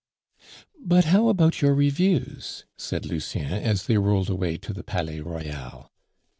"But how about your reviews?" said Lucien, as they rolled away to the Palais Royal.